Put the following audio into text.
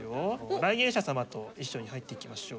来園者様と一緒に入っていきましょう。